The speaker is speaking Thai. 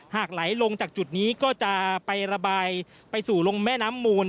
หากไหลลงจากจุดนี้ก็จะไประบายไปสู่ลงแม่น้ำมูล